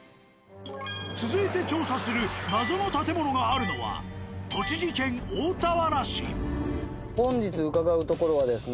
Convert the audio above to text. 続いて調査する謎の建物があるのは本日伺う所はですね。